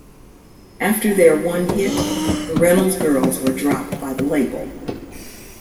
After their one hit, The Reynolds Girls were dropped by the label.